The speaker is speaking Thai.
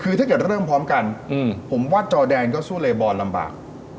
คือถ้าเกิดเริ่มพร้อมกันผมว่าจอแดนก็สู้เลบอลลำบาก